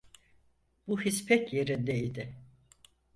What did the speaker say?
Bu his pek yerinde idi.